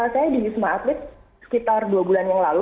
wisma atlet sekitar dua bulan yang lalu